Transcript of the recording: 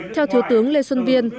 theo thủ tướng lê xuân viên